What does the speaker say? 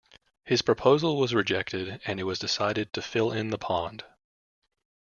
His proposal was rejected and it was decided to fill in the pond.